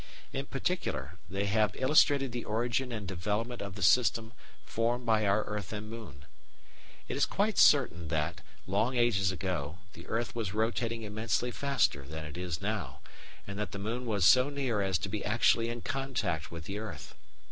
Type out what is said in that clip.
In particular, they have illustrated the origin and development of the system formed by our earth and moon. It is quite certain that, long ages ago, the earth was rotating immensely faster than it is now, and that the moon was so near as to be actually in contact with the earth.